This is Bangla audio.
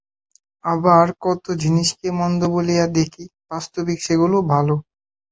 আবার কত জিনিষকে মন্দ বলিয়া দেখি, বাস্তবিক সেগুলি ভাল।